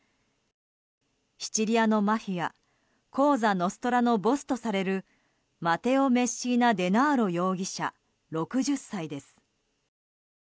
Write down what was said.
シチリアのマフィアコーザ・ノストラのボスとされるマテオ・メッシーナ・デナーロ容疑者、６０歳です。